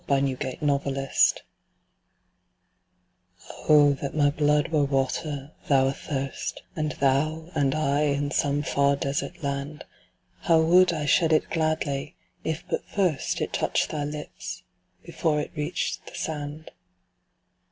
B TO THE UNATTAINABLE H, THAT MY BLOOD WERE WATER, thou athirst, And thou and I in some far Desert land, How would I shed it gladly, if but first It touched thy lips, before it reached the sand.